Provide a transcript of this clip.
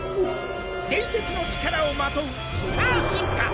伝説の力をまとうスター進化。